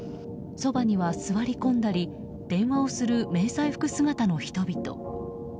そばには座り込んだり電話をする迷彩服姿の人々。